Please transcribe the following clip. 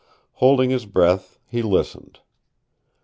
Holding his breath, he listened.